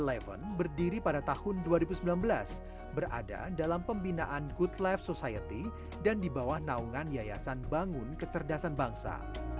berdiri pada tahun dua ribu sembilan belas berada dalam pembinaan good life society dan di bawah naungan yayasan bangun kecerdasan bangsa